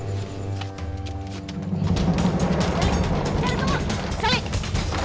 malin jangan lupa